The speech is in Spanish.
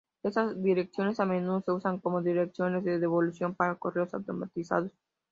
Estas direcciones a menudo se usan como direcciones de devolución para correos automatizados.